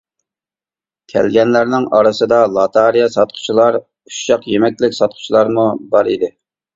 كەلگەنلەرنىڭ ئارىسىدا لاتارىيە ساتقۇچىلار، ئۇششاق يېمەكلىك ساتقۇچىلارمۇ بار ئىدى.